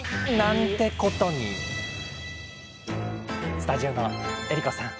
スタジオの江里子さん